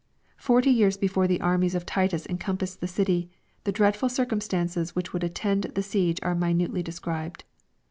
Forty years before the armies of Titus encompassed the city, the dreadful circumstances which would attend the siege are minutely described.